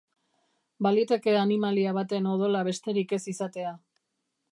Baliteke animalia baten odola besterik ez izatea.